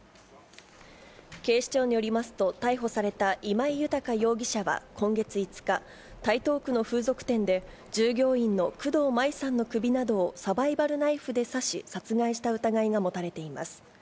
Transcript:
警視庁によりますと、逮捕された今井裕容疑者は今月５日、台東区の風俗店で、従業員の工藤舞さんの首などをサバイバルナイフで刺し、殺害した疑いが持たれています。